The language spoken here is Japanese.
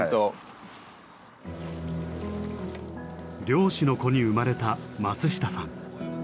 漁師の子に生まれた松下さん。